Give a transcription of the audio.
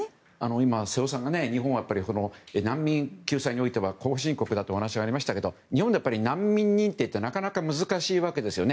今、瀬尾さんが日本は難民救済については後進国だとお話がありましたが日本で難民認定ってなかなか難しいわけですよね。